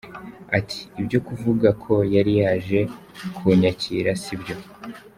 Ati “Ibyo kuvuga ko yari yaje kunyakira si byo.